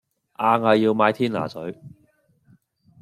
硬係要買天拿水